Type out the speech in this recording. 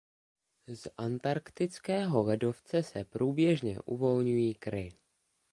Z antarktického ledovce se průběžně uvolňují kry.